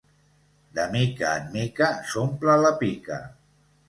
De mica en mica s'omple la pica